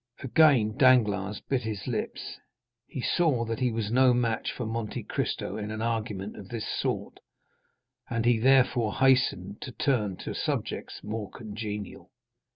Again Danglars bit his lips; he saw that he was no match for Monte Cristo in an argument of this sort, and he therefore hastened to turn to subjects more congenial.